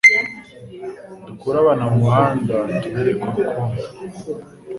dukure abana mu muhanda tubereke urukundo